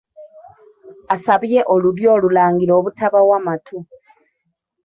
Asabye Olulyo Olulangira obutabawa matu.